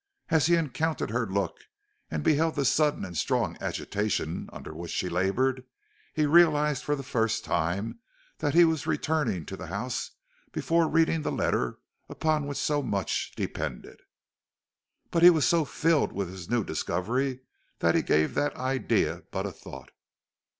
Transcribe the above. As he encountered her look and beheld the sudden and strong agitation under which she labored, he realized for the first time that he was returning to the house before reading the letter upon which so much depended. But he was so filled with his new discovery that he gave that idea but a thought.